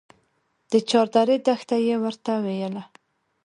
د چاردرې دښته يې ورته ويله.